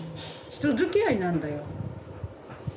人づきあいなんだよ。